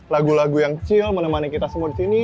lagu lagu yang chill menemani kita semua disini